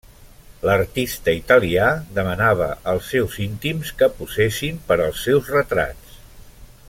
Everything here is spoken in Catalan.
L'artista italià demanava als seus íntims que posessin per als seus retrats.